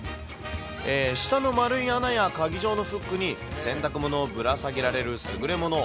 下の丸い穴や鍵状のフックに洗濯物をぶら下げられる優れもの。